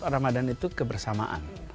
ramadhan itu kebersamaan